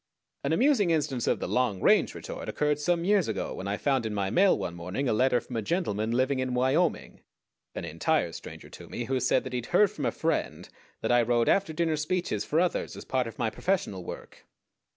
An amusing instance of the long range retort occurred some years ago when I found in my mail one morning a letter from a gentleman living in Wyoming, an entire stranger to me, who said that he had heard from a friend that I wrote after dinner speeches for others as part of my professional work.